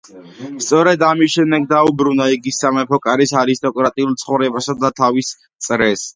სწორედ ამის შემდეგ დაუბრუნდა იგი სამეფო კარის არისტოკრატიულ ცხოვრებასა და თავის წრეს.